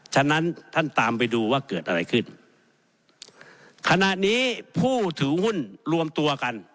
ฉะนั้นท่านตามไปดูว่าเกิดอะไรขึ้นขณะนี้ผู้ถือหุ้นรวมตัวกัน